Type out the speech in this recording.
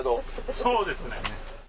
そうですね。